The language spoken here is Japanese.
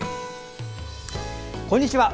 こんにちは。